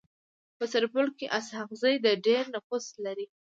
په سرپل کي اسحق زي د ډير نفوذ لري.